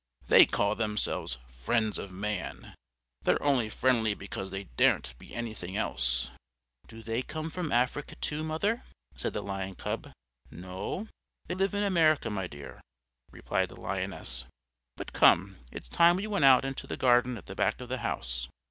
They call themselves 'friends of man!' They're only friendly because they daren't be anything else." "Do they come from Africa, too, mother?" said the Lion Cub. "No, they live in America, my dear," replied the Lioness. "But come, it's time we went out into the garden at the back of the house.